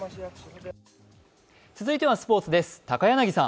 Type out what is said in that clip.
続いてはスポーツです。